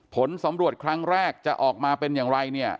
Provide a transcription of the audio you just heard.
ผลสำรวจครั้งแรกจะออกมาเป็นอย่างไรเนี่ย